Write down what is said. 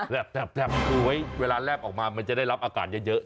แบบสวยเวลาแลบออกมามันจะได้รับอากาศเยอะ